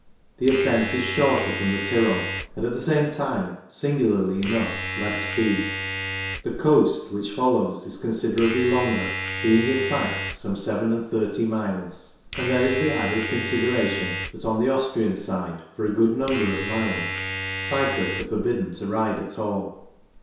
The ascent is shorter from the Tyrol, and at the same time, singularly enough, less steep. The "coast" which follows is considerably longer, being, in fact, some seven and thirty miles, and there is the added consideration that on the Austrian side, for a good number of miles, cyclists are forbidden to ride at all.